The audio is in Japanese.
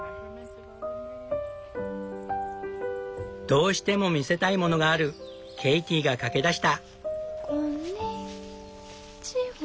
どうしても見せたいものがあるケイティが駆け出した。